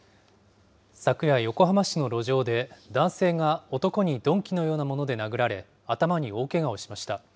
昨夜、横浜市の路上で男性が男に鈍器のようなもので殴られ、頭に大けがをしました。